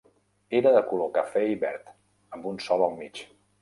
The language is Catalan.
Era de color cafè i verd, amb un sol al mig.